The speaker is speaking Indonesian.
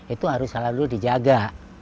itu harus selalu dijaga